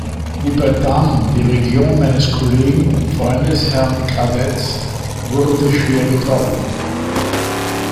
Die Bretagne, die Region meines Kollegen und Freundes, Herrn Cadec, wurde schwer getroffen.